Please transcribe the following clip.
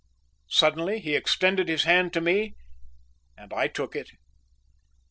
Suddenly he extended his hand to me and I took it.